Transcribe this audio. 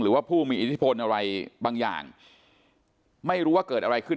ผู้มีอิทธิพลอะไรบางอย่างไม่รู้ว่าเกิดอะไรขึ้น